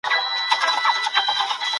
سپینه آیینه سوم له غباره وځم